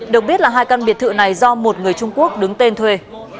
được biết là hai căn biệt thự này do một người trung quốc đứng tên thuê